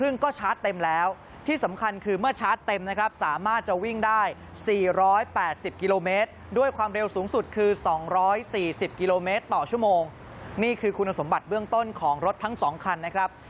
นี่คือคุณสมบัติเบื้องต้นของรถทั้ง๒คันนะครับ